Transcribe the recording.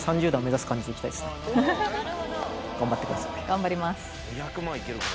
頑張ります